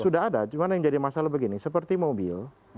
sudah ada cuma yang jadi masalah begini seperti mobil